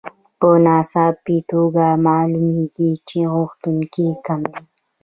په ناڅاپي توګه معلومېږي چې غوښتونکي کم دي